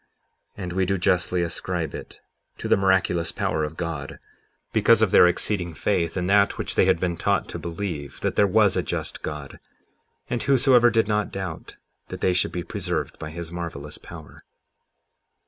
And we do justly ascribe it to the miraculous power of God, because of their exceeding faith in that which they had been taught to believe—that there was a just God, and whosoever did not doubt, that they should be preserved by his marvelous power.